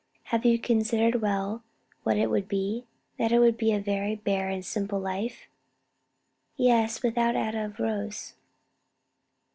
"Have you considered well what it would be? that it would be a very bare and simple life?" "Yes without atta of rose."